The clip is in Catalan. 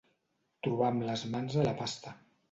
Trobar amb les mans a la pasta.